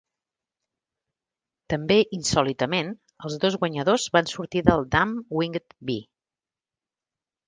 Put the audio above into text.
També insòlitament, els dos guanyadors van sortir del Dam Winged Bee.